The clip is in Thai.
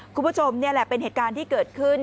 คุณผู้ชมนี่แหละเป็นเหตุการณ์ที่เกิดขึ้น